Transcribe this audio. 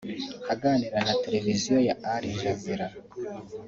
Aganira na Televiziyo ya Al Jazeera